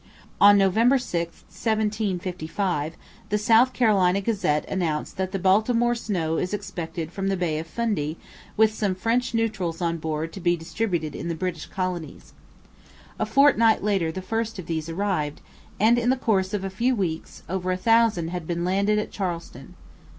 On November 6, 1755, the South Carolina Gazette announced that 'the Baltimore Snow is expected from the Bay of Fundy with some French Neutrals on board to be distributed in the British colonies.' A fortnight later the first of these arrived, and in the course of a few weeks over a thousand had been landed at Charleston.